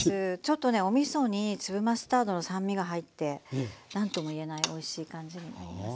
ちょっとねおみそに粒マスタードの酸味が入って何ともいえないおいしい感じになります。